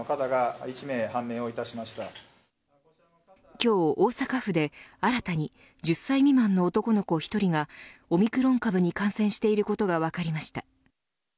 今日、大阪府で新たに１０歳未満の男の子１人がオミクロン株に感染していることが分かりました。